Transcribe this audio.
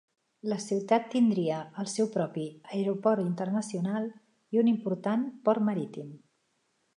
La ciutat tindria el seu propi aeroport internacional i un important port marítim.